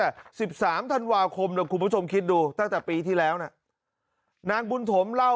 แล้วหายตั้งแต่๑๓ธันวาคมคุณผู้ชมคิดดูตั้งแต่ปีที่แล้วน่ะนางบุญถมเล่า